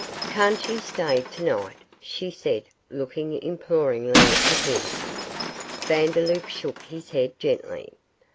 'Can't you stay tonight?' she said, looking imploringly at him. Vandeloup shook his head gently.